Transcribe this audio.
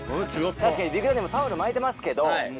確かにビッグダディもタオル巻いてますけど。